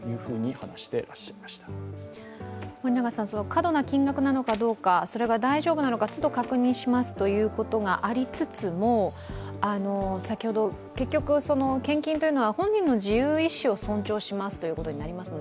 過度な金額なのかどうか、それが大丈夫なのか都度確認しますということがありつつも、先ほど、結局、献金というのは本人の自由意志を尊重しますということになります。